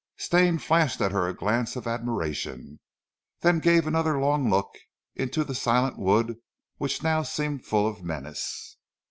Stane flashed at her a glance of admiration, then gave another long look into the silent wood which now seemed full of menace.